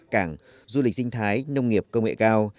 cảng du lịch sinh thái nông nghiệp công nghệ cao